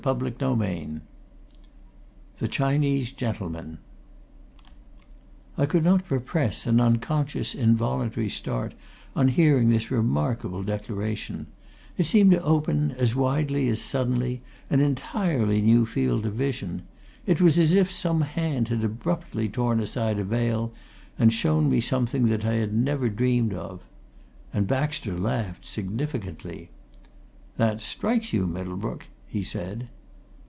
CHAPTER XXI THE CHINESE GENTLEMAN I could not repress an unconscious, involuntary start on hearing this remarkable declaration; it seemed to open, as widely as suddenly, an entirely new field of vision; it was as if some hand had abruptly torn aside a veil and shown me something that I had never dreamed of. And Baxter laughed, significantly. "That strikes you, Middlebrook?" he said.